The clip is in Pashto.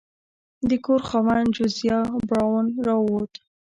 د کور خاوند جوزیا براون راووت.